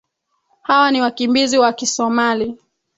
hawa ni wakimbizi wa kisomali